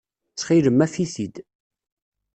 Ttxil-m, af-it-id.